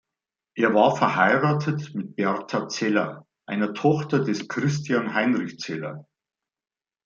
Er war verheiratet mit Bertha Zeller, einer Tochter des Christian Heinrich Zeller.